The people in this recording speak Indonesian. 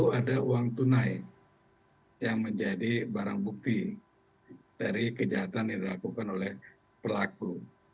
ada uang tunai yang menjadi barang bukti dari kejahatan yang dilakukan oleh pelaku